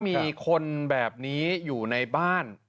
มีคนแบบนี้อยู่ในบ้าน